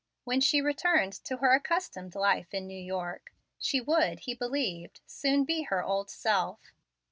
When she returned to her accustomed life in New York, she would, he believed, soon be her old self.